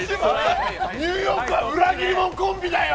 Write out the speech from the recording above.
ニューヨークは裏切り者コンビだよ！